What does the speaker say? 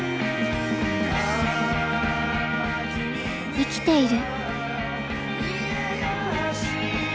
生きている。